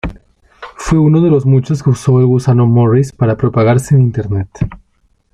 Fue uno de los muchos que usó el gusano Morris para propagarse en Internet.